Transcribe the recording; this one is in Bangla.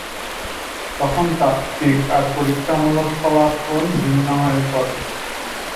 তখন তাত্ত্বিক আর পরীক্ষামূলক ফলাফল ভিন্ন হয়ে পড়ে।